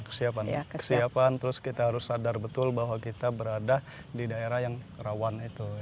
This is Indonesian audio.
kesiapan terus kita harus sadar betul bahwa kita berada di daerah yang rawan itu